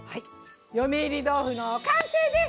「嫁いり豆腐」の完成です！